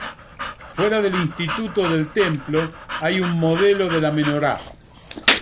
Fuera del Instituto del Templo hay un modelo de la Menorá.